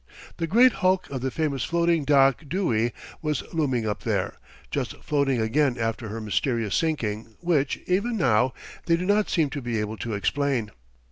The great hulk of the famous floating dock Dewey was looming up there, just floated again after her mysterious sinking which, even now, they do not seem to be able to explain.